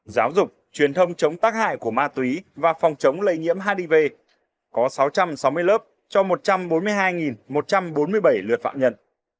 giáo dục truyền thông chống tác hại của ma túy và phòng chống lây nhiễm hdv có sáu trăm sáu mươi lớp cho một trăm bốn mươi hai một trăm bốn mươi bảy lượt phạm nhân